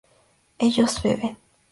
ellos beben